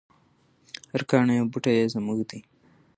هر کاڼی او بوټی یې زموږ دی.